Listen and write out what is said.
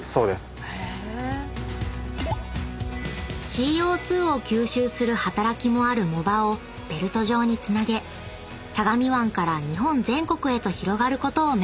［ＣＯ２を吸収する働きもある藻場をベルト状につなげ相模湾から日本全国へと広がることを目指しています］